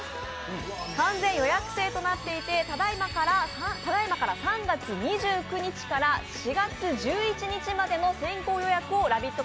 完全予約制となっていてただいまから３月２９日から４月１１日までの先行予約をラヴィット！